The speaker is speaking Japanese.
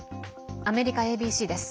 アメリカＡＢＣです。